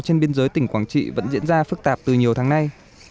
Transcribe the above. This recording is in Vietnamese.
trên biên giới tỉnh quảng trị vẫn diễn ra phức tạp từ nhiều tháng nay